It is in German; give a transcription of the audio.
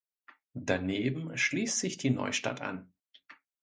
Daneben schließt sich die Neustadt an.